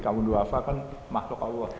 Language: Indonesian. kaum dua hafa kan makhluk allah